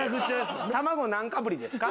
卵何かぶりですか？